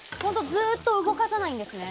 ずっと動かさないんですね。